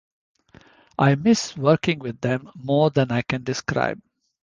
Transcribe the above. I miss working with them more than I can describe.